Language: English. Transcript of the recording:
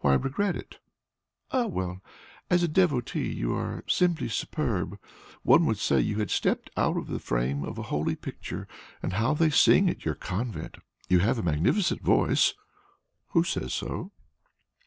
"Why regret it?" "Ah well! As a devotee you are simply superb; one would say you had stepped out of the frame of a holy picture. And how they sing at your convent! You have a magnificent voice." "Who says so?"